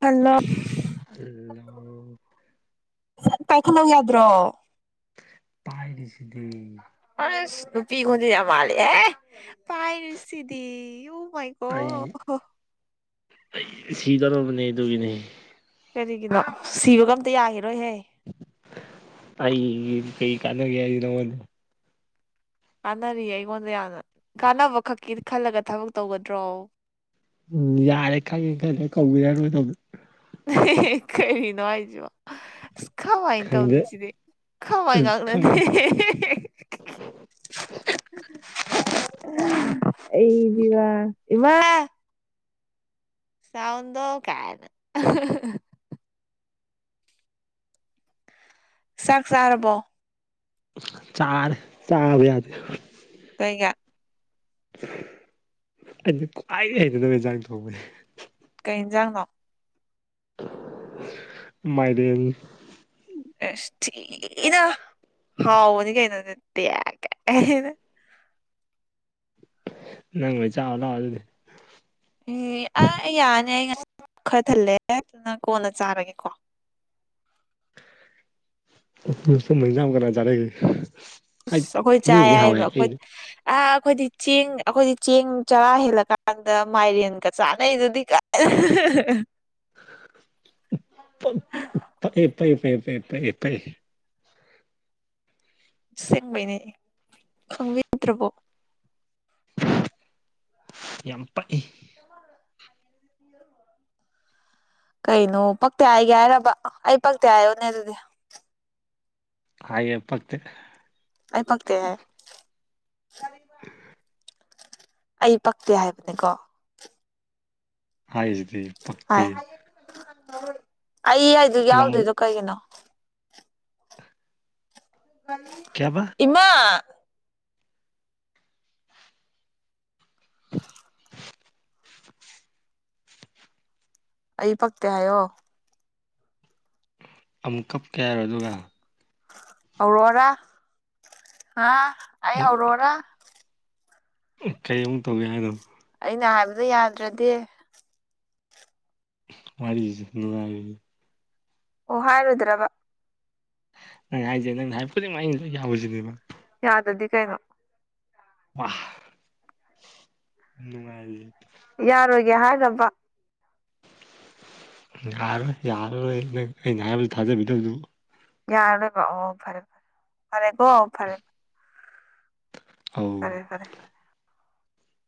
ꯈꯜꯂꯣ [inaudible] ꯄꯥꯏꯈꯠꯂꯛ ꯌꯥꯗ꯭ꯔꯣ ꯄꯥꯏꯔꯤꯁꯤꯗꯤ ꯑꯁ ꯅꯨꯄꯤ ꯈꯣꯟꯖꯦꯜ ꯌꯥꯝ ꯃꯥꯂꯤꯍꯦ ꯄꯥꯏꯔꯨꯁꯤꯗꯤ ꯎ ꯃꯥꯏ ꯑꯩ ꯒꯣꯗ ꯑꯩ ꯁꯤꯗꯣꯅꯕꯅꯦ ꯑꯗꯨꯒꯤꯅꯦ ꯀꯔꯤꯒꯤꯅꯣ ꯁꯤꯕꯒ ꯑꯝꯇ ꯌꯥꯈꯤꯔꯣꯏꯍꯦ ꯑꯩ ꯀꯩ ꯀꯥꯟꯅꯒꯦ [unintelligible] ꯀꯥꯟꯅꯔꯤ ꯑꯩꯉꯣꯟꯗ ꯌꯥꯝꯅ ꯀꯥꯟꯅꯕ ꯈꯛꯀꯤ ꯈꯜꯂꯒ ꯊꯕꯛ ꯇꯧꯒꯗ꯭ꯔꯣ ꯎꯝ ꯌꯥꯔꯦ ꯈꯪꯉꯦ [unintelligible] ꯀꯔꯤꯅꯣ ꯍꯥꯏꯖꯤꯕꯣ ꯏꯁ ꯈꯋꯥꯏꯅ ꯈꯪꯗꯦ ꯇꯧꯅꯤ ꯁꯤꯗꯤ ꯈꯋꯥꯏ ꯉꯥꯡꯅꯗꯦ ꯈꯪꯉꯣꯏ [inaudible] ꯑꯩꯗꯤꯕꯥ ꯏꯃꯥ ꯁꯥꯎꯟꯗꯣ ꯀꯥꯏꯅ ꯆꯥꯛ ꯆꯥꯔꯕꯣ ꯆꯔꯦ ꯆꯥꯕ ꯌꯥꯗꯦ ꯀꯩꯒꯥ ꯑꯩꯗꯤ ꯈ꯭ꯋꯥꯏꯗꯒꯤ ꯍꯩꯩꯅꯗꯕ ꯏꯟꯁꯥꯡ ꯊꯣꯡꯕꯩ ꯀꯩꯏꯟꯖꯥꯡꯅꯣ ꯃꯥꯏꯔꯦꯟ ꯑꯁ ꯊꯤꯅ ꯍꯥꯎꯕꯅꯤ ꯀꯩꯅꯣ ꯗꯨꯗꯤ ꯀꯥꯏꯅ ꯅꯪ ꯂꯣꯏ ꯆꯥꯎ ꯂꯥꯎ ꯗꯨꯗꯤ ꯑꯦ ꯑꯥ ꯌꯥꯔꯅꯤ ꯑꯩ ꯉꯁꯤ ꯈꯔ ꯊꯜꯂꯦ ꯑꯗꯨꯅ ꯀꯣꯟꯅ ꯆꯥꯔꯒꯦꯀꯣ ꯁꯨꯝꯕ ꯏꯟꯖꯥꯡꯕꯨ ꯀꯅꯥꯅ ꯆꯥꯅꯒꯦ ꯍꯥꯏꯗꯤ ꯏꯁ ꯑꯈꯣꯏ ꯆꯥꯏ ꯃꯤꯕꯨꯗꯤ ꯍꯥꯎꯋꯦ ꯍꯥꯏꯕ ꯑꯈꯣꯏ ꯑꯩꯗꯤ ꯑꯥ ꯑꯩꯈꯣꯏꯗꯤ ꯆꯦꯡ ꯑꯩꯈꯣꯏꯗꯤ ꯆꯦꯡ ꯆꯔꯥ ꯍꯦꯜꯂꯀꯥꯟꯗ ꯃꯥꯏꯔꯦꯟꯒ ꯆꯥꯅꯩꯗꯨꯗꯤ [inaudible] [unintelligible] ꯁꯦꯡꯕꯩꯅꯦ ꯈꯪꯕꯤꯗ꯭ꯔꯕꯣ ꯌꯥꯝ ꯄꯛꯏ ꯀꯩꯅꯣ ꯄꯛꯇꯦ ꯍꯥꯏꯒꯦ ꯍꯥꯏꯔꯕ ꯑꯩ ꯄꯛꯇꯦ ꯍꯥꯏꯌꯣꯅꯦ ꯑꯗꯨꯗꯤ ꯍꯥꯏꯒꯦ ꯄꯛꯇꯦ꯫ ꯑꯩ ꯄꯛꯇꯦ ꯍꯥꯏꯌꯨ [inaudible] ꯑꯩ ꯄꯛꯇꯦ ꯍꯥꯏꯕꯅꯤꯀꯣ ꯍꯥꯏꯖꯤꯗꯤ ꯍꯥꯏ ꯑꯩ ꯍꯥꯏꯗꯣ ꯂꯥꯜ ꯌꯥꯎꯗꯔ꯭ꯤꯗꯣ ꯀꯩꯒꯤꯅꯣ [unintelligible] ꯀꯩꯑꯕ ꯏꯃꯥ ꯑꯩ ꯄꯛꯇꯦ ꯍꯥꯏꯌꯣ ꯑꯃꯨꯛ ꯀꯞꯀꯦ ꯍꯥꯏꯔꯣ ꯗꯨꯒ ꯍꯧꯔꯛꯑꯣꯔꯥ ꯍꯥ ꯑꯩ ꯍꯧꯔꯛꯑꯣꯔꯥ ꯎꯝ ꯀꯩ ꯑꯃꯨꯛ ꯇꯧꯒꯦ ꯍꯥꯏꯅꯣ ꯑꯩꯅ ꯍꯥꯏꯕꯗꯣ ꯌꯥꯗ꯭ꯔꯗꯤ ꯋꯥꯔꯤꯖꯦ ꯅꯨꯡꯉꯥꯏꯔꯤꯌꯦ ꯑꯣ ꯍꯥꯏꯔꯣꯏꯗ꯭ꯔꯕ ꯅꯪꯅ ꯍꯥꯏꯁꯦ ꯅꯪꯅ ꯍꯥꯏꯕ ꯈꯨꯗꯤꯡꯃꯛ ꯑꯩꯅ ꯂꯣꯢ ꯌꯥꯎꯖꯤꯅꯦꯕ ꯌꯥꯗꯗꯤ ꯀꯩꯅꯣ ꯋꯥꯍ ꯅꯨꯡꯉꯥꯏꯔꯤ ꯌꯥꯔꯣꯏꯒꯦ ꯍꯥꯏꯔꯕ ꯌꯥꯔꯣꯏ ꯌꯥꯔꯔꯣꯏ ꯅꯪ ꯑꯩꯅ ꯍꯥꯏꯕꯖꯨ ꯊꯥꯖꯕꯤꯗꯕꯗꯨꯕꯨ ꯌꯥꯔꯔꯣꯏꯕ ꯑꯣ ꯐꯔꯦ ꯐꯔꯦ ꯐꯔꯦꯀꯣ ꯐꯔꯦ ꯑꯧ ꯐꯔꯦ ꯐꯔꯦ ꯐꯔꯦ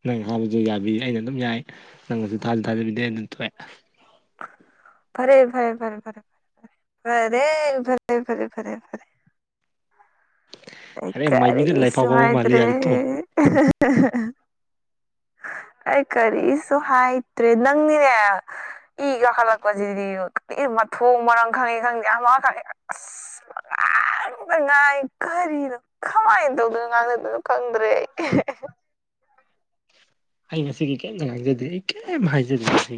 ꯅꯪ ꯍꯥꯏꯔꯁꯨ ꯌꯥꯕꯤ ꯑꯩꯅ ꯑꯗꯨꯝ ꯌꯥꯏ ꯅꯪꯅꯖꯨ ꯊꯥꯖꯨ ꯊꯥꯖꯕꯤꯗꯦ ꯑꯗꯨꯟ ꯇꯣꯛꯑꯦ ꯐꯔꯦ ꯐꯔꯦ ꯐꯔꯦ ꯐꯔꯦ ꯐꯔꯦ ꯐꯔꯦ ꯐꯔꯦ ꯐꯔꯦ ꯐꯔꯦ ꯐꯔꯦ ꯐꯔꯦ ꯑꯩ ꯌꯥꯔꯦ ꯃꯥꯏꯕꯤꯗ ꯂꯥꯏꯐꯥꯎ ꯀꯔꯤꯁꯨ ꯐꯥꯎꯕ ꯃꯥꯜꯂꯦ ꯍꯥꯏꯗ꯭ꯔꯦ ꯌꯥꯔꯦ ꯇꯣꯛꯑꯣ ꯑꯩ ꯀꯔꯤꯁꯨ ꯍꯥꯏꯗ꯭ꯔꯦ ꯅꯪꯅꯤꯅꯦ ꯏ ꯀꯥꯈꯠꯂꯛꯄꯖꯤꯗꯤ ꯀꯔꯤ ꯃꯊꯣꯡ ꯃꯔꯝ ꯈꯪꯉꯤ ꯈꯪꯗꯦ ꯑꯃ ꯈꯪꯉꯤ ꯑꯁ ꯑꯁ ꯄꯡꯉꯥꯡꯗ ꯉꯥꯡꯉꯤ ꯀꯔ ꯔꯤꯅꯣ ꯈꯃꯥꯏꯅ ꯇꯧꯗꯣꯏꯅꯣ ꯉꯥꯡꯗꯗꯣꯏꯅꯣ ꯈꯪꯗ꯭ꯔꯦ ꯑꯩ ꯑꯩ ꯉꯁꯤꯒꯤ ꯀꯩꯝꯇ ꯉꯥꯡꯖꯗꯦ ꯑꯩ ꯀꯩꯝ ꯍꯥꯏꯖꯗꯦ ꯉꯁꯤ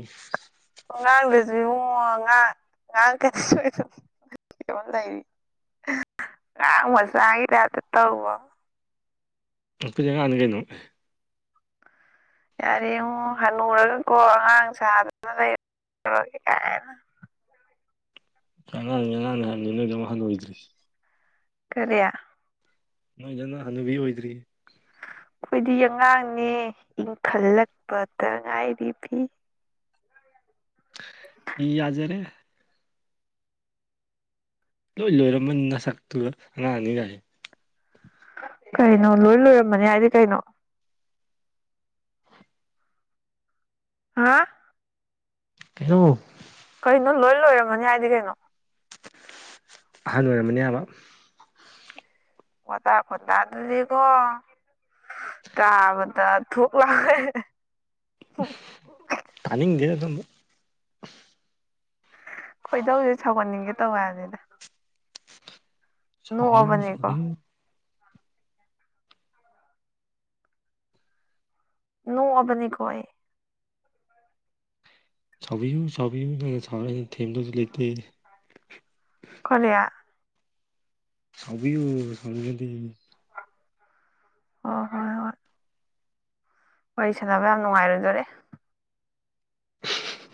ꯉꯥꯡꯗꯔ꯭ꯖꯨ ꯏꯕꯨꯉꯣ ꯉꯥꯡ ꯉꯥꯡꯉꯛꯀꯅꯤꯁꯨ ꯑꯗꯨꯝ ꯀꯩꯅꯣꯝ ꯂꯩꯔꯤ ꯑꯉꯥꯡ ꯃꯆꯥꯒꯤ ꯇꯥꯏꯞꯇ ꯇꯧꯕ ꯑꯃ ꯀꯩ ꯑꯉꯥꯟꯅꯤ ꯀꯩꯅꯣ ꯌꯥꯔꯦꯉꯣ ꯍꯟꯅꯨꯔꯒꯀꯣ ꯑꯉꯥꯡ ꯁꯥꯗꯅ ꯂꯩꯔꯒ ꯀꯥꯏꯅ ꯑꯉꯥꯡꯅꯤ ꯑꯉꯥꯡꯅꯤ ꯍꯥꯏꯝꯅꯤ ꯅꯣꯏꯗꯧ ꯍꯅꯨꯗ꯭ꯔꯤ ꯀꯔꯤ ꯅꯣꯏꯗꯧꯅ ꯍꯅꯨꯕꯤ ꯑꯣꯏꯗ꯭ꯔꯤ ꯈꯣꯏꯗꯤ ꯑꯉꯥꯡꯅꯦ ꯏꯪꯈꯠꯂꯛꯄ ꯇ ꯉꯥꯏꯔꯤ ꯄꯤ ꯏ ꯌꯥꯖꯔꯦ ꯂꯣꯏ ꯂꯣꯏꯔꯝꯃꯅꯤ ꯅ ꯁꯛꯇꯨꯒ ꯑꯉꯥꯡꯅꯤꯒꯥꯏꯌꯦ ꯀꯩꯅꯣ ꯂꯣꯏ ꯂꯣꯏꯔꯝꯃꯅꯤ ꯍꯥꯏꯗꯤ ꯀꯩꯅꯣ ꯍꯥ ꯀꯩꯅꯣ ꯀꯩꯅꯣ ꯂꯣꯏ ꯂꯣꯏꯔꯝꯃꯅꯤ ꯍꯥꯏꯗꯤ ꯀꯩꯅꯣ ꯑꯍꯜ ꯑꯣꯏꯔꯝꯃꯅꯦ ꯍꯥꯏꯕ ꯋꯥꯇꯥ ꯈꯣꯟꯗ ꯗꯨꯗꯤꯀꯣ ꯇꯕꯥꯗ ꯊꯨꯛ ꯂꯥꯎ ꯇꯅꯤꯡꯗꯦ ꯑꯗꯨꯝꯕ ꯈꯣꯏꯗꯧꯁꯦ ꯁꯧꯒꯠꯅꯤꯡꯒꯦ ꯇꯧ ꯍꯥꯏꯝꯅꯤꯗ ꯁꯥꯎꯕꯤꯌꯨ ꯅꯣꯛꯑꯕꯅꯤꯀꯣ ꯁꯥꯎꯕꯤꯌꯨ ꯅꯣꯛꯑꯕꯅꯤꯀꯣ ꯑꯩ ꯁꯥꯎꯕꯤꯌꯨ ꯁꯥꯎꯕꯤꯌꯨ ꯅꯪ ꯁꯥꯎꯔꯩꯅ ꯊꯦꯝꯗꯧꯁꯨ ꯂꯩꯇꯦ ꯀꯔꯤ ꯁꯥꯎꯕꯤꯌꯨ ꯁꯥꯎꯅꯤꯡꯉꯗꯤ ꯍꯣ ꯍꯣꯏ ꯍꯣꯏ ꯋꯥꯔꯤ ꯁꯥꯟꯅꯕ ꯌꯥꯝ ꯅꯨꯡꯉꯥꯏꯔꯣꯏꯗꯣꯔꯤ [unintelligible]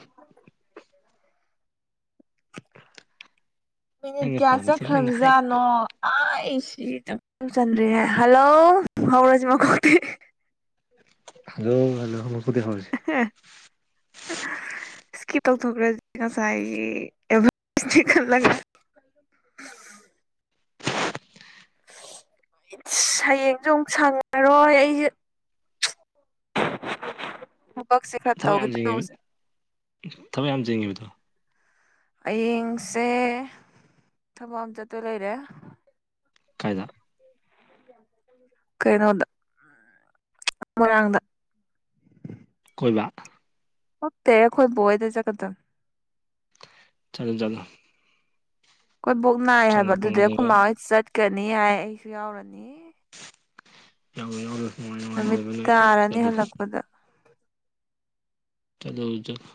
ꯃꯤꯅꯤꯠ ꯅꯪꯅ ꯀꯌꯥ ꯄꯥꯝꯃꯤꯁꯦ ꯅꯪꯅ ꯍꯥꯏ ꯆꯠꯈ꯭ꯔꯕꯖꯥꯠꯅꯣ ꯑꯥꯏꯁ ꯁꯤ [unintelligible] ꯆꯟꯗ꯭ꯔꯤꯌꯦ ꯍꯜꯂꯣ ꯍꯥꯎꯔꯖꯤ ꯃꯀꯣꯛꯇꯩ ꯍꯜꯂꯣ ꯍꯜꯂꯣ [unintelligible] ꯃꯀꯣꯛꯇꯩ ꯍꯧꯔꯖꯤ ꯍꯦ ꯏꯁꯀꯤꯞ ꯇꯧꯊꯣꯛꯈ꯭ꯔꯖꯤ ꯉꯁꯥꯏꯒꯤ ꯑꯦꯚ [unintelligible] ꯈꯠꯂꯒ ꯏꯠꯁ ꯍꯌꯦꯡꯖꯨ ꯑꯃꯨꯛ ꯁꯪꯉꯔꯣꯏ ꯑꯩꯖꯦ [unintelligible] ꯊꯕꯛ ꯇꯧꯒꯦ ꯌꯥꯝ ꯆꯤꯡꯉꯤꯕ ꯇꯧꯕꯁꯦ ꯊꯕꯛ ꯌꯥꯝ ꯆꯤꯟꯒꯤꯕꯗꯣ ꯍꯌꯦꯡꯁꯦ ꯊꯕꯛ ꯑꯃ ꯆꯠꯇꯣꯏ ꯂꯩꯔꯦ ꯀꯥꯏꯗ ꯀꯩꯅꯣꯗ ꯃꯣꯏꯔꯥꯡꯗ ꯀꯣꯏꯕ ꯑꯣꯠꯇꯦ ꯈꯣꯏꯕꯣ ꯍꯣꯏꯗ ꯆꯠꯀꯗꯝ ꯆꯠꯂꯨ ꯆꯠꯂꯣ ꯀꯣꯏ ꯕꯣꯛ ꯅꯥꯏ ꯍꯥꯏꯕ ꯆꯪꯉꯛꯄ ꯑꯗꯨꯗ ꯉꯥꯏꯗꯕ ꯑꯩꯈꯣꯏꯃꯥ ꯍꯣꯏ ꯆꯠꯀꯅꯤ ꯍꯥꯏ ꯑꯩꯁꯨ ꯌꯥꯎꯔꯅꯤ ꯌꯥꯎꯔꯣꯏ ꯌꯥꯎꯔꯣꯏ ꯅꯨꯃꯤꯠ ꯇꯥꯔꯅꯤ ꯍꯜꯂꯛꯄꯗ ꯆꯠꯂꯣ ꯆ꯭ꯂꯐ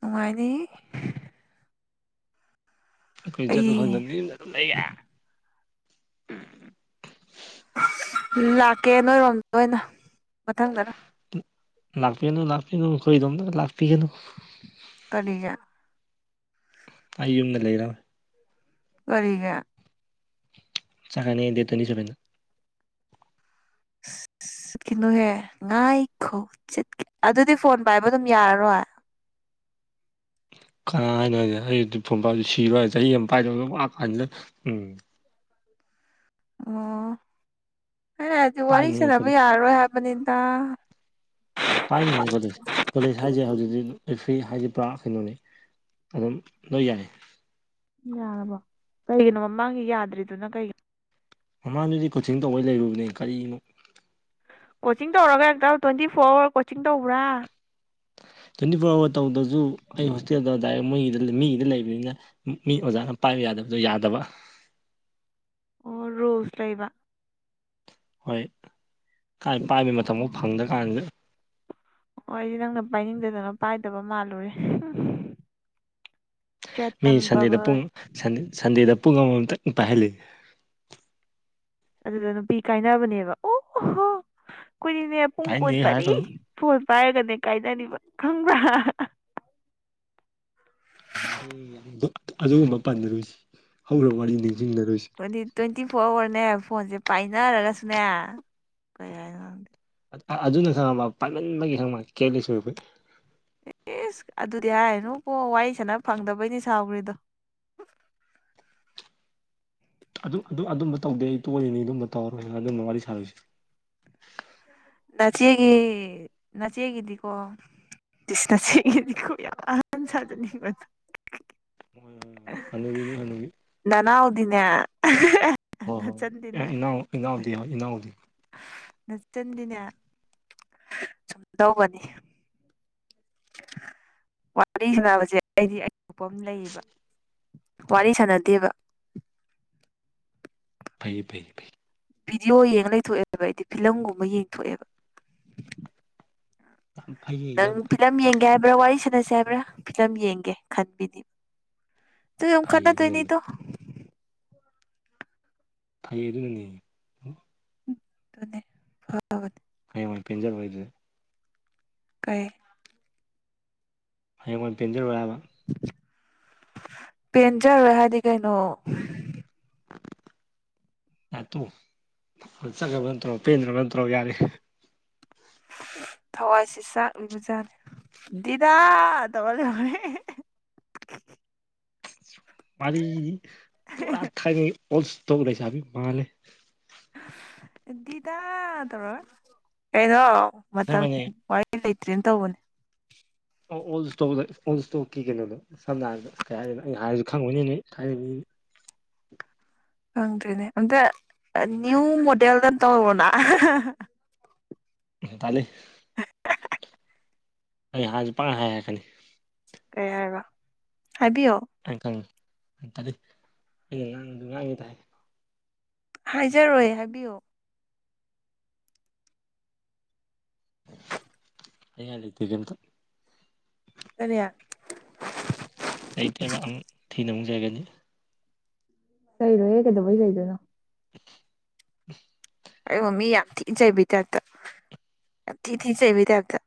ꯅꯨꯡꯉꯥꯏꯅꯤ ꯑꯩꯈꯣꯏ ꯆꯠꯄ ꯑꯩ ꯐꯪꯗꯝꯅꯤꯝꯅ ꯑꯗꯨꯝ ꯂꯩꯌꯦ ꯎꯝꯝ ꯂꯥꯛꯀꯦ ꯅꯣꯏꯔꯣꯝꯗ ꯑꯣꯏꯅ ꯃꯊꯪꯗꯅ ꯂꯥꯛꯄꯤꯅꯨ ꯂꯥꯛꯄꯤꯅꯨ ꯈꯣꯏꯗꯣꯝꯗꯒ ꯂꯥꯛꯄꯤꯒꯅꯨ ꯀꯔꯤꯒꯤ ꯑꯩ ꯌꯨꯝꯗ ꯂꯩꯔꯣꯏ ꯀꯔꯤꯒꯤ ꯆꯀꯅꯤ ꯑꯩ ꯗꯦꯠ ꯇ꯭ꯋꯦꯟꯇꯤ ꯁꯚꯦꯟꯗ ꯑꯁ ꯆꯠꯀꯤꯅꯣꯍꯦ ꯉꯥꯏꯈꯣ ꯆꯠꯈꯤ ꯑꯗꯨꯗꯤ ꯐꯣꯟ ꯄꯥꯏꯕ ꯑꯗꯨꯝ ꯌꯥꯔꯔꯣꯏ ꯀꯅꯥ ꯍꯥꯏꯅꯣ ꯍꯥꯏꯁꯦ ꯑꯩꯗꯤ ꯐꯣꯟ ꯄꯥꯏꯗꯗꯤ ꯁꯤꯔꯣ ꯍꯥꯏꯔꯣ ꯆꯍꯤ ꯑꯃ ꯄꯥꯏꯗꯕꯗ ꯋꯥ ꯀꯥꯟꯁꯤꯗ ꯎꯝ ꯑꯣ ꯑꯩꯅ ꯍꯥꯏꯗꯤ ꯋꯥꯔꯤ ꯄꯥꯏꯅꯤꯡꯉꯦ ꯈꯣꯠꯂꯦ ꯁꯥꯟꯅꯕ ꯌꯥꯔꯔꯣꯏ ꯍꯥꯏꯕꯅꯤꯗ ꯄꯥꯏꯅꯤꯍꯦ ꯀꯣꯂꯦꯖ ꯀꯣꯂꯦꯖ ꯍꯥꯏꯁꯦ ꯍꯧꯖꯤꯛꯇꯤ ꯐ꯭ꯔꯤ ꯍꯥꯏꯗꯤ ꯄꯨꯔꯥ ꯀꯩꯅꯣꯅꯤ ꯑꯗꯨꯝ ꯂꯣꯏ ꯌꯥꯏ ꯌꯥꯔꯕꯣ ꯀꯩꯒꯤꯅꯣ ꯃꯃꯥꯡꯒꯤ ꯌꯥꯗ꯭ꯔꯤꯗꯨꯅ ꯀꯩꯒꯤꯅꯣ ꯃꯃꯥꯡꯗꯨꯗꯤ ꯀꯣꯆꯤꯡ ꯇꯧꯕꯩ ꯂꯩꯔꯨꯕꯅꯦ ꯀꯔꯤꯅꯣ ꯀꯣꯆꯤꯡ ꯇꯧꯔꯒ ꯍꯦꯛꯇ ꯇ꯭ꯋꯦꯟꯇꯤ ꯐꯣꯔ ꯑꯋꯥꯔ ꯀꯣꯆꯤꯡ ꯇꯧꯕ꯭ꯔꯥ ꯇ꯭ꯋꯦꯟꯇꯤ ꯐꯣꯔ ꯑꯋꯥꯔ ꯇꯧꯗꯁꯨ ꯑꯩ ꯍꯣꯁꯇꯦꯜꯗ ꯗꯥꯏꯔꯦꯛ ꯃꯣꯏꯒꯤꯗ ꯃꯤꯒꯤꯗ ꯂꯩꯕꯅꯤꯅ ꯃꯤ ꯑꯣꯖꯥꯅ ꯄꯥꯏꯕ ꯌꯥꯗꯕꯗꯣ ꯌꯥꯗꯕ ꯑꯣ ꯔꯨꯜꯁ ꯂꯩꯕ ꯍꯣꯏ ꯀꯥꯏ ꯄꯥꯏꯕꯩ ꯃꯇꯝꯕꯧ ꯐꯪꯗꯀꯥꯟꯖꯤꯗ ꯑꯣ ꯑꯩꯗꯤ ꯅꯪꯅ ꯄꯥꯏꯅꯤꯡꯗꯗꯅ ꯄꯥꯏꯗꯕ ꯃꯥꯜꯂꯨꯔꯦ ꯃꯤ ꯆꯦꯇꯟ ꯁꯟꯗꯦꯗ ꯄꯨꯡ ꯚꯒꯠ ꯁꯟꯗꯦꯗ ꯄꯨꯡ ꯑꯃꯃꯝꯇꯪ ꯄꯥꯏꯍꯜꯂꯤ ꯑꯗꯨꯗ ꯅꯨꯄꯤ ꯀꯥꯏꯅꯕꯅꯦꯕ ꯑꯣꯍꯣ ꯈꯣꯏꯗꯤꯅꯦ ꯄꯨꯡ ꯇꯥꯏꯅꯦ ꯀꯨꯟꯃꯔꯤ ꯍꯥꯏꯔꯛꯀꯅꯨ ꯐꯣꯟ ꯄꯥꯏꯔꯒꯅꯦ ꯀꯥꯏꯗꯔꯤꯕ ꯈꯪꯕ꯭ꯔꯥ ꯌꯥꯔꯦ ꯑꯗꯨꯒꯨꯝꯕ ꯄꯥꯟꯅꯔꯣꯏꯁꯤ ꯍꯧꯈ꯭ꯔ ꯋꯥꯔꯤ ꯅꯤꯡꯁꯤꯡꯅꯔꯣꯏꯁꯤ ꯑꯗꯨꯗꯤ ꯇ꯭ꯋꯦꯟꯇꯤ ꯐꯣꯔ ꯑꯋꯥꯔꯅꯦ ꯐꯣꯟꯁꯦ ꯄꯥꯏꯅꯔꯒꯁꯨꯅꯦ ꯀꯩ ꯍꯥꯏꯅꯣ ꯈꯪꯗꯦ ꯑꯗꯨꯅ ꯈꯪꯉꯕ ꯄꯥꯏꯃꯟꯕꯒꯤ ꯈꯪꯉꯕ ꯀꯦꯌꯔꯂꯦꯁ ꯑꯣꯏꯔꯛꯄꯩ ꯏꯁ ꯑꯗꯨꯗꯤ ꯍꯥꯏꯔꯅꯨꯕꯣ ꯋꯥꯔꯤ ꯁꯥꯟꯅ ꯐꯪꯗꯕꯩꯅꯤ ꯁꯥꯎꯒ꯭ꯔꯤꯗꯣ ꯑꯗꯨ ꯑꯗꯨ ꯑꯗꯨꯝꯕ ꯇꯧꯗꯦ ꯑꯩ ꯇꯣꯔꯤꯅꯤ ꯑꯗꯨꯝꯕ ꯇꯧꯔꯣꯏ ꯑꯗꯨꯝꯕ ꯋꯥꯔꯤ ꯁꯥꯔꯣꯏꯁꯦ ꯅꯥꯆꯦꯒꯤ ꯅꯆꯦꯒꯤꯗꯤꯀꯣ ꯏꯁ ꯅꯆꯦꯒꯤꯗꯤꯀꯣ ꯌꯥꯝ ꯑꯍꯟ ꯁꯥꯖꯅꯤꯡꯕꯗꯣ ꯍꯣꯏ ꯍꯣꯏ ꯍꯣꯏ ꯍꯅꯨꯕꯤꯅꯤ ꯍꯅꯨꯕꯤ ꯅꯅꯥꯎꯗꯤꯅꯦ ꯍꯣꯏ ꯍꯣꯏ ꯑꯦ ꯅꯆꯟꯗꯤꯅꯦ ꯏꯅꯥꯎ ꯏꯅꯥꯎꯗꯤ ꯍꯣꯏ ꯏꯅꯥꯎꯗꯤ ꯅꯆꯟꯗꯤꯅꯦ ꯁꯨꯝꯗꯧꯕꯅꯤ ꯋꯥꯔꯤ ꯁꯅꯕꯁꯦ ꯑꯩꯗꯤ ꯑꯩꯊꯣꯛꯄ ꯑꯃ ꯂꯩꯌꯦꯕ ꯋꯥꯔꯤ ꯁꯥꯟꯅꯗꯦꯕ ꯐꯩꯌꯦ ꯐꯩ ꯐꯩ ꯕꯤꯗꯤꯑꯣ ꯌꯦꯡꯉ ꯂꯩꯊꯣꯛꯑꯦꯕ ꯑꯩꯗꯤ ꯐꯤꯂꯝꯒꯨꯝꯕ ꯌꯦꯡꯊꯣꯛꯑꯦꯕ ꯌꯥꯝ ꯐꯩꯌꯦ ꯅꯪ ꯌꯥꯝ ꯐꯩ ꯐꯤꯂꯝ ꯌꯦꯡꯒꯦ ꯍꯥꯏꯕ꯭ꯔꯥ ꯋꯥꯔꯤ ꯁꯥꯟꯅꯁꯦ ꯍꯥꯏꯕ꯭ꯔꯥ ꯐꯤꯂꯝ ꯌꯦꯡꯒꯦ ꯈꯟꯕꯤꯅꯤꯕ ꯑꯗꯨꯏ ꯑꯃꯨꯛ ꯐꯩꯌꯦ ꯑꯗꯨꯅꯅꯤ ꯈꯠꯅꯗꯣꯏꯅꯤꯗꯣ ꯐꯩꯌꯦ ꯑꯗꯨꯅꯅꯦ ꯑꯗꯨꯅꯦ ꯐꯕꯅꯤ ꯍꯌꯦꯡꯋꯥꯏ ꯄꯦꯟꯖꯔꯣꯏ ꯗꯨꯗꯤ ꯀꯩ ꯍꯌꯦꯡꯌꯥꯏ ꯄꯦꯟꯖꯔꯣꯏ ꯍꯥꯏꯕ ꯄꯦꯟꯖꯔꯦꯏ ꯍꯥꯏꯗꯤ ꯀꯩꯅꯣ ꯌꯔꯦ ꯇꯣꯛꯑꯣ ꯆꯠꯈ꯭ꯔꯕ ꯅꯠꯇ꯭ꯔꯣ ꯄꯦꯟꯗ꯭ꯔꯕ ꯅꯠꯇ꯭ꯔꯣ ꯌꯥꯔꯦ ꯊꯋꯥꯏꯁꯤ ꯆꯥꯛꯂꯤꯕꯖꯥꯠꯅꯤ ꯗꯤꯗꯥ ꯇꯧꯔ ꯂꯩꯍꯧꯔꯦ ꯋꯥꯔꯤꯗꯤ ꯄꯨꯔꯥ ꯊꯥꯏꯅꯒꯤ ꯑꯣꯜꯁꯇꯣꯛ ꯂꯩꯁꯥꯕꯤ ꯃꯥꯜꯂꯦ ꯗꯤꯗꯥ ꯇꯧꯔꯒ ꯀꯩꯅꯣ ꯃꯇꯝ ꯑꯁꯦꯡꯕꯩꯅꯦ ꯋꯥꯔꯤ ꯂꯩꯇ꯭ꯔꯦꯅ ꯇꯧꯕꯅꯦ ꯑ ꯑꯣꯜ ꯏꯁꯇꯣꯛ ꯑꯣꯜ ꯏꯁꯇꯣꯛꯀꯤ ꯀꯩꯅꯣꯗꯣ ꯁꯝꯅ ꯍꯥꯏꯔꯕꯗ ꯀꯩ ꯍꯥꯏꯗꯨꯏꯅꯣ ꯑꯩ ꯍꯥꯏꯔꯁꯨ ꯈꯪꯉꯣꯏꯅꯦ ꯅꯣꯏ ꯊꯥꯏꯅꯩ ꯃꯤ ꯈꯪꯗ꯭ꯔꯦꯅꯦ ꯑꯝꯇ ꯅ꯭ꯌꯨ ꯃꯣꯗꯦꯜꯗ ꯇꯧꯔꯛꯑꯣꯅ ꯇꯜꯂꯤ ꯑꯩ ꯍꯥꯏꯁꯨ ꯄꯪꯍꯥꯏ ꯍꯥꯏ ꯍꯥꯏꯔꯛꯀꯅꯤ ꯀꯩ ꯍꯥꯏꯕ ꯍꯥꯏꯕꯤꯌꯣ ꯍꯥꯏꯔꯛꯀꯅꯤ ꯇꯜꯂꯤ ꯑꯩꯅ ꯉꯥꯡꯉꯁꯨ ꯉꯥꯡꯉꯤꯇ ꯍꯥꯏ ꯍꯥꯏꯖꯔꯣꯏ ꯍꯥꯏꯕꯤꯌꯣ ꯍꯥꯏꯅꯤꯡꯉꯥꯏ ꯂꯩꯇꯦ ꯀꯩꯝꯇ ꯀꯔꯤ ꯂꯩꯇꯕ ꯑꯝ ꯊꯤꯅꯥꯃꯨꯛ ꯆꯩꯔꯛꯀꯅꯤ ꯆꯩꯔꯣꯏꯍꯦ ꯀꯩꯗꯧꯕꯩ ꯆꯩꯗꯣꯏꯅꯣ ꯑꯩꯕꯨ ꯃꯤ ꯌꯥꯝ ꯊꯤ ꯆꯩꯕꯩ ꯇꯥꯏꯞꯇ ꯌꯥꯝ ꯊꯤ ꯊꯤ ꯆꯩꯕꯩ ꯇꯥꯏꯞꯇ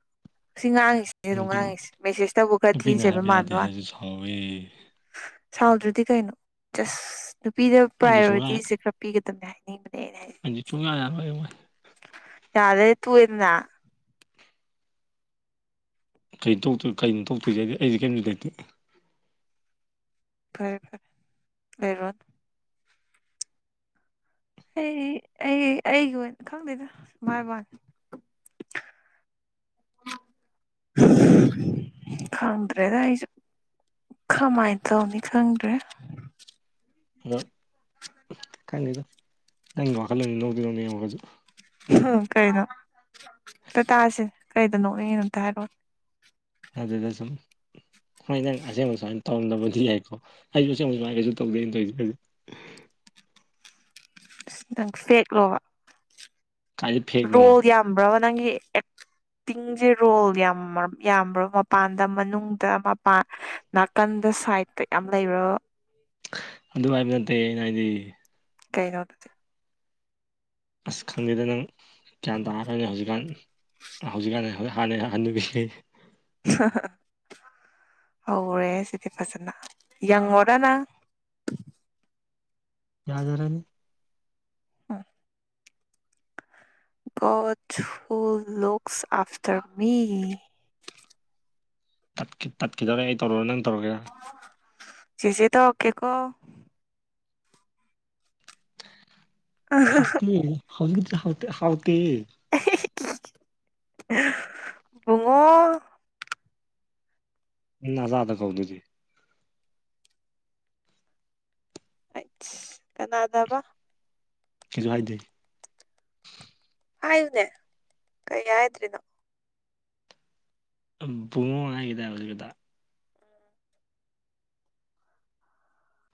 ꯑꯁꯤ ꯉꯥꯡꯉꯤꯁꯤ ꯑꯩ ꯑꯗꯨꯝ ꯅꯨꯄꯤꯅ ꯉꯥꯡꯉꯤꯁꯦ ꯃꯦꯁꯦꯖꯇꯕꯨ ꯈꯔ ꯊꯤꯅ ꯅꯨꯄꯤꯅ ꯆꯩꯕ ꯍꯥꯏꯕ ꯌꯥꯗꯦ ꯃꯥꯟꯕꯩ ꯋꯥꯅꯤ ꯍꯥꯏꯕꯁꯨ ꯁꯥꯎꯋꯦ ꯁꯥꯎꯗ꯭ꯔꯗꯤ ꯀꯩꯅꯣ ꯖꯁ ꯅꯨꯄꯤꯗ ꯑꯩꯗꯤ ꯁꯨꯡꯌꯥ ꯄ꯭ꯔꯥꯏꯌꯣꯔꯤꯇꯤꯁꯦ ꯈꯔ ꯄꯤꯒꯗꯕꯅꯦ ꯍꯥꯏꯅꯤꯡꯕꯅꯦ ꯑꯩꯅ ꯍꯥꯏ ꯑꯪꯗꯤ ꯆꯨꯡꯌꯥ ꯌꯥꯔꯣꯏ ꯌꯥꯗ꯭ꯔꯗꯤ ꯇꯣꯛꯑꯦꯗꯥꯅꯥ ꯀꯩ [unintelligible] ꯀꯩꯅꯣ ꯊꯣꯛꯇꯣꯏꯁꯦ ꯑꯩ ꯑꯩꯁꯦ ꯀꯦꯟꯗꯤꯗꯦꯠꯇꯦ ꯐꯔꯦ ꯐꯔꯦ ꯍꯩꯔꯨꯔꯅꯨ ꯑꯩ ꯑꯩ ꯑꯩꯒꯤ ꯑꯣꯏꯅ ꯈꯪꯗꯦꯗ ꯁꯨꯝ ꯍꯥꯏꯕꯩ ꯋꯥꯅꯤ ꯈꯪꯗ꯭ꯔꯦꯗ ꯑꯩꯁꯨ ꯈꯃꯥꯏꯅ ꯇꯧꯅꯤ ꯈꯪꯗ꯭ꯔꯦ ꯑꯗꯣ ꯈꯪꯗꯦꯗ ꯅꯪꯒꯤ ꯋꯥꯈꯜꯅꯤ ꯂꯧꯗꯤ [unintelligible] ꯎꯝ ꯀꯩꯅꯣ ꯑꯝ ꯇꯥꯁꯦ ꯀꯩꯗ ꯅꯣꯛꯅꯤꯡꯉꯤꯅꯣ ꯑꯝꯇ ꯍꯥꯏꯔꯛꯑꯣ ꯑꯗꯨꯗ ꯁꯨꯝ ꯁꯨꯃꯥꯏ ꯅꯪ ꯑꯁꯦꯡꯕ ꯁꯨꯃꯥꯏꯅ ꯇꯧꯔꯝꯗꯕꯗꯤ ꯌꯥꯏꯀꯣ ꯑꯩꯁꯨ ꯑꯁꯦꯡꯕ ꯁꯨꯃꯥꯏ ꯀꯩꯁꯨ ꯇꯧꯗꯦ ꯑꯩꯅꯥ ꯇꯧꯔꯤꯁꯤꯕꯨꯗꯤ ꯈꯤꯇꯪ ꯐꯦꯛꯂꯣꯕ ꯀꯥꯏꯗ ꯐꯦꯛꯅꯣ ꯔꯣꯜ ꯌꯥꯝꯕ꯭ꯔꯕ ꯅꯪꯒꯤ ꯇꯤꯡꯁꯦ ꯔꯣꯜ ꯌꯥꯝ ꯌꯥꯝꯕ꯭ꯔꯣ ꯃꯄꯥꯟꯗ ꯃꯅꯨꯡꯗ ꯃꯄꯥꯟ ꯅꯥꯀꯟꯗ ꯁꯥꯏꯗꯇ ꯌꯥꯝ ꯂꯩꯕ꯭ꯔꯣ ꯑꯗꯨ ꯍꯥꯏꯕ ꯅꯠꯇꯦ ꯑꯩꯅ ꯍꯥꯏꯗꯤ ꯀꯩꯩꯅꯣ ꯑꯁ ꯈꯪꯗꯦꯗ ꯅꯪ ꯒ꯭ꯌꯥꯟ ꯇꯥꯔꯅꯦ ꯍꯧꯖꯤꯛꯀꯥꯟ ꯍꯧꯖꯤꯛꯀꯥꯟ ꯍꯥꯟꯅꯩ ꯍꯟꯅꯕꯤ ꯍꯧꯔꯦ ꯁꯤꯗꯤ ꯐꯖꯅ ꯌꯪꯉꯣꯔ ꯅꯪ ꯌꯥꯖꯔꯅꯤ [unintelligible] ꯒ‌ꯣꯠ ꯍꯨ ꯂꯨꯛꯁ ꯑꯥꯐꯇꯔ ꯃꯤ ꯇꯠ ꯇꯠꯈꯤꯗ‌ꯧꯔꯦ ꯑꯩ ꯇꯧꯔ‌ꯣ ꯅꯪ ꯇꯧꯔꯒꯦꯔꯥ ꯆ‌ꯦꯆ‌ꯦ ꯇꯧꯔꯛꯀꯦꯀꯣ ꯍꯥꯎꯇꯦ ꯍꯧꯖꯤꯛ [unintelligible] ꯍꯥꯎꯇ‌ꯦ ꯍꯥꯎꯇꯦ ꯕꯨꯨꯡꯉꯣ ꯅꯖꯥꯗ ꯀꯧ ꯗꯨꯗꯤ ꯑꯩꯆ ꯀꯅꯥꯗꯕ ꯀꯩꯖꯨ ꯍꯥꯏꯗꯦ ꯍꯥꯏꯌꯨꯅꯦ ꯀꯩꯒꯤ ꯍꯥꯏꯗ꯭ꯔꯤꯅ‌ꯣ ꯎꯝ ꯕꯨꯡꯉ‌ꯣ ꯍꯥꯏꯒꯤꯗ ꯍꯧꯖꯤꯛꯒꯤꯗ‌ꯣ